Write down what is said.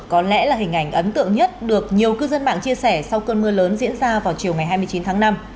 có lẽ là hình ảnh ấn tượng nhất được nhiều cư dân mạng chia sẻ sau cơn mưa lớn diễn ra vào chiều ngày hai mươi chín tháng năm